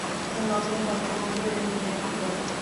অন্যান্য ভাব সম্বন্ধেও এই একই কথা।